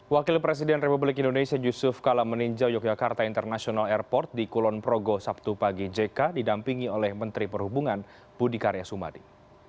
wakil presiden republik indonesia yusuf kala meninjau yogyakarta international airport di kulon progo sabtu pagi jk didampingi oleh menteri perhubungan budi karya sumadi